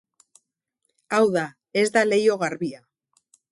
Hau da, ez da leiho garbia.